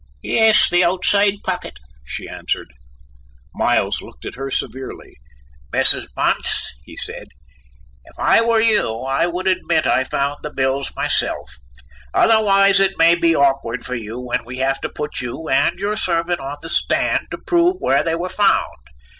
"Yes, the outside pocket," she answered. Miles looked at her severely. "Mrs. Bunce," he said, "if I were you I would admit I found the bills myself, otherwise it may be awkward for you when we have to put you and your servant on the stand to prove where they were found.